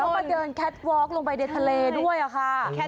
แล้วไปเดินแคตต์วอล์คลงไปเด็ดทะเลด้วยค่ะ